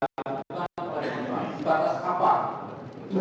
apakah kemudian batasan mana